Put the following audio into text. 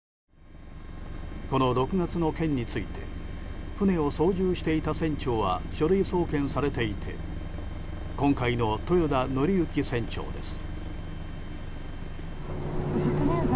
この６月の件について船を操縦していた船長は書類送検されていて今回の豊田徳幸船長です。